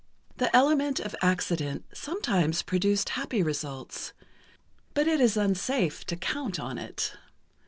The element of accident sometimes produces happy results, but it is unsafe to count on it.